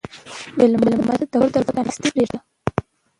مېلمه ته د کور دروازه پرانستې پرېږده.